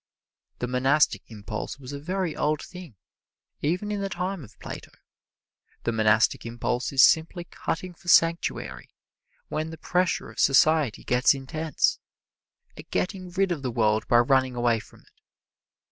The monastic impulse was a very old thing, even in the time of Plato. The monastic impulse is simply cutting for sanctuary when the pressure of society gets intense a getting rid of the world by running away from it.